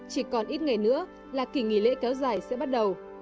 chỉ còn ít ngày nữa là kỳ nghỉ lễ kéo dài sẽ bắt đầu